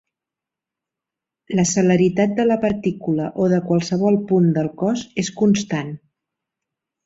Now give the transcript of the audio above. La celeritat de la partícula o de qualsevol punt del cos és constant.